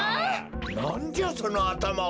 なんじゃそのあたまは！？